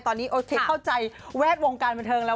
ตอนนี้โอเคเข้าใจแวดวงการบันเทิงแล้ว